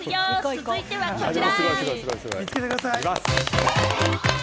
続いてはこちら。